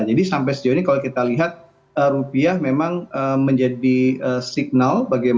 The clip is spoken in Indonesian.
jadi sampai sejauh ini kalau kita lihat rupiah memang menjadi signal